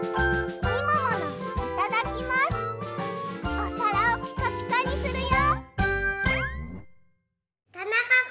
おさらをピカピカにするよ。